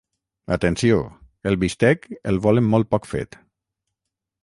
Atenció, el bistec el volen molt poc fet.